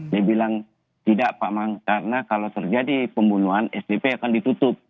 dia bilang tidak pak mang karena kalau terjadi pembunuhan sdp akan ditutup